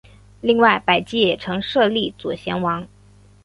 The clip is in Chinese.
另外百济也曾设立左贤王。